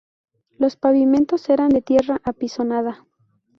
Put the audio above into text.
Los pavimentos eran de tierra apisonada.